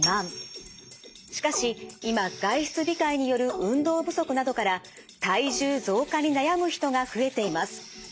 しかし今外出控えによる運動不足などから体重増加に悩む人が増えています。